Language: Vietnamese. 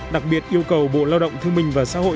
đặc biệt yêu cầu bộ lao động thương minh và xã hội